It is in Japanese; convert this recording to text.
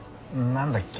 何だっけ？